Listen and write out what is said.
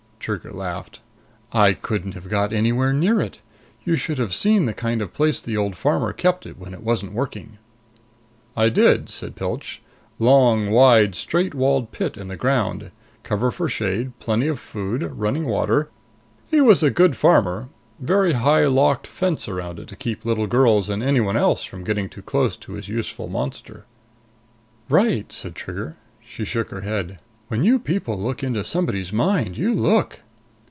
Trigger laughed. "I couldn't have got anywhere near it! You should have seen the kind of place the old farmer kept it when it wasn't working." "I did," said Pilch. "Long, wide, straight walled pit in the ground. Cover for shade, plenty of food, running water. He was a good farmer. Very high locked fence around it to keep little girls and anyone else from getting too close to his useful monster." "Right," said Trigger. She shook her head. "When you people look into somebody's mind, you look!"